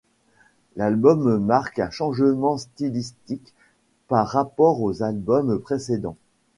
L'album marque un changement stylistique par rapport aux albums précédents.